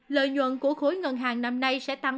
lợi nhuận của khối ngân hàng năm nay sẽ tăng